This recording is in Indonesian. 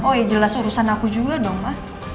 oh iya jelas urusan aku juga dong ma